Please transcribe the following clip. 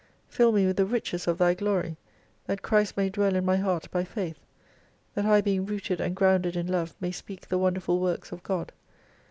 Fill me with the riches of Thy glory, that Christ may dwell in my heart by faith, that I being rooted and grounded in Love may speak the wonderful Works of God.